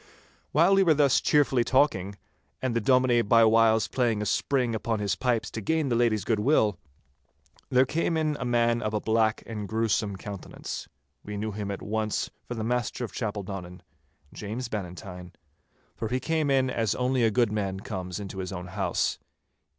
While we were thus cheerfully talking, and the Dominie by whiles playing a spring upon his pipes to gain the lady's goodwill, there came in a man of a black and gruesome countenance. We knew him at once for the master of Chapeldonnan, James Bannatyne, for he came in as only a goodman comes into his own house.